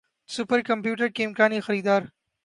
super computer کے امکانی خریدار